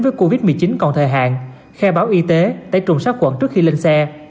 với covid một mươi chín còn thời hạn khe báo y tế tẩy trùng sát quận trước khi lên xe